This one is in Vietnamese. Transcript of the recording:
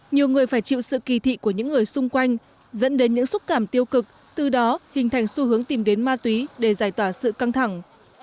nhiều người phải chịu sự kỳ thị của những người xung quanh dẫn đến những xúc cảm tiêu cực từ đó hình thành xu hướng tìm đến ma túy để giải tỏa sự căng thẳng